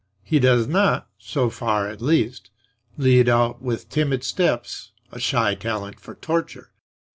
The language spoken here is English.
He does not (so far at least) lead out, with timid steps, a shy talent for torture.